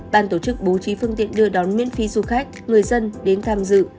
ban tổ chức bố trí phương tiện đưa đón miễn phí du khách người dân đến tham dự